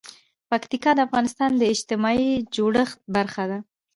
پکتیکا د افغانستان د اجتماعي جوړښت برخه ده.